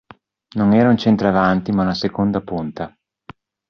Non era un centravanti, ma una seconda punta.